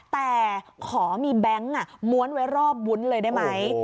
แต่ขอมีแบงค์ม้วนไว้รอบวุ้นเลยได้ไหม